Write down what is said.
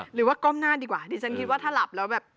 หรือว่าก้มหน้าดีกว่าดิฉันคิดว่าถ้าหลับแล้วแบบ